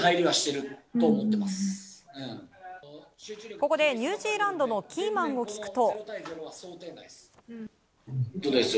ここでニュージーランドのキーマンを聞くと。